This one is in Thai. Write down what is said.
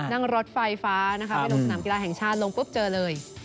นั่งรถไฟฟ้านะคะไปลงสนามกีฬาแห่งชาติลงปุ๊บเจอเลย